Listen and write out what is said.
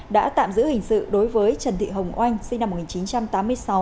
đã tạm giữ hình sự đối với trần thị hồng oanh sinh năm một nghìn chín trăm tám mươi sáu